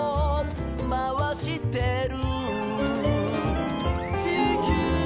「まわしてる」